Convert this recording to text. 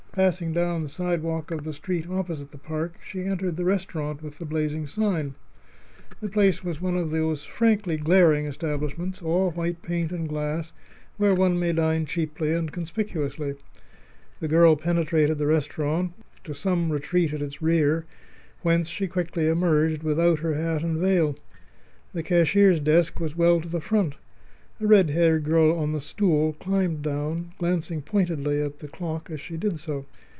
Passing down the sidewalk of the street opposite the park, she entered the restaurant with the blazing sign. The place was one of those frankly glaring establishments, all white paint and glass, where one may dine cheaply and conspicuously. The girl penetrated the restaurant to some retreat at its rear, whence she quickly emerged without her hat and veil. The cashier's desk was well to the front. A red haired girl on the stool climbed down, glancing pointedly at the clock as she did so.